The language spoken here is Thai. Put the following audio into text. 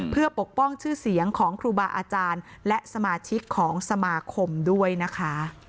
เพื่อปกป้องชื่อเสียงของครูบาอาจารย์และสมาชิกของสมาคมด้วยนะคะ